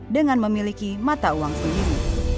dengan memiliki mata uang sendiri